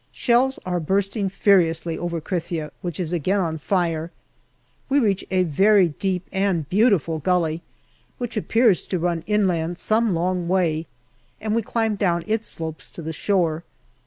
Shells are bursting furiously over Krithia, which is again on fire. We reach a very deep and beautiful gully, which appears to run inland some long way, and we climb down its slopes to the shore.